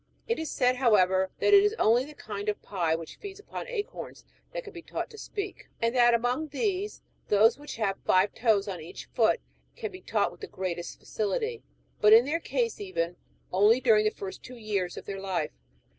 It is said, however, that it is only the kind^^ of pie which feeds upon acorns that can be taught to speak; and that among these, those which ^^ have five toes on each foot can be taught with the greatest facility ; but in their case even, only during the first two years of their life.